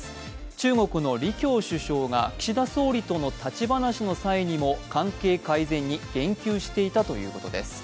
中国の李強首相が岸田総理との立ち話の際にも関係改善に言及していたということです。